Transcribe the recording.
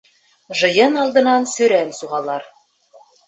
Жыйын алдынан сөрән сугалар.